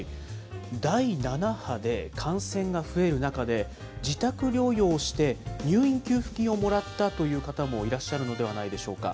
第７波の感染が増える中で、自宅療養して、入院給付金をもらったという方もいらっしゃるのではないでしょうか。